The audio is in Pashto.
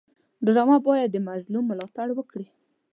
ډرامه باید د مظلوم ملاتړ وکړي